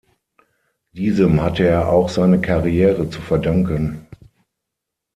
Diesem hatte er auch seine Karriere zu verdanken.